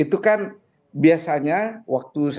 oke itu kan biasanya waktu saya dulu ada